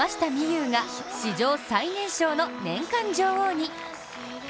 有が、史上最年少の年間女王に。